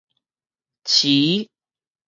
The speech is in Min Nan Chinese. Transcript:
持